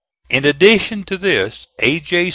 In addition to this, A. J.